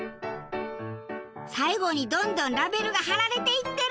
最後にどんどんラベルが貼られていってる！